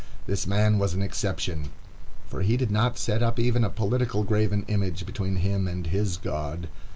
This man was an exception, for he did not set up even a political graven image between him and his God.